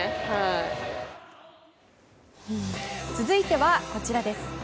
続いては、こちらです。